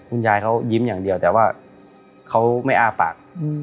คุณยายเขายิ้มอย่างเดียวแต่ว่าเขาไม่อ้าปาก